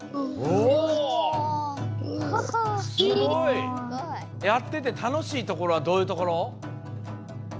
すごい！やっててたのしいところはどういうところ？